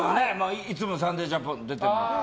いつも「サンデージャポン」に出てる。